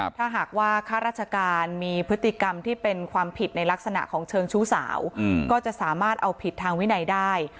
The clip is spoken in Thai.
ถ้าหากว่าข้าราชการมีพฤติกรรมที่เป็นความผิดในลักษณะของเชิงชู้สาวก็จะสามารถเอาผิดทางวินัยได้